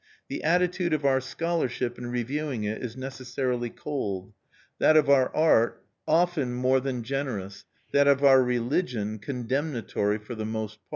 The attitude of our scholarship in reviewing it is necessarily cold; that of our art, often more than generous; that of our religion, condemnatory for the most part.